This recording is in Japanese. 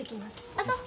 あっそう。